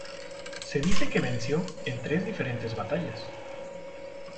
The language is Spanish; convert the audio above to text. Se dice que venció en tres diferentes batallas.